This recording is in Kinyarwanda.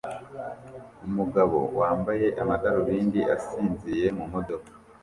Umugabo wambaye amadarubindi asinziriye mumodoka